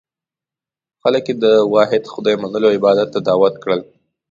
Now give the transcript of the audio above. خلک یې د واحد خدای منلو او عبادت ته دعوت کړل.